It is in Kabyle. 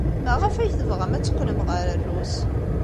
Maɣef ay tebɣam ad teqqlem ɣer Rrus?